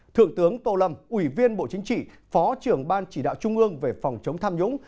thượng tướng tô lâm ủy viên bộ chính trị phó trưởng ban chỉ đạo trung ương về phòng chống tham nhũng